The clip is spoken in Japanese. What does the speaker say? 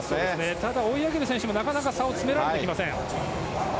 ただ追い上げる選手もなかなか差を詰められていません。